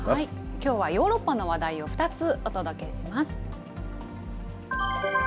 きょうはヨーロッパの話題を２つお届けします。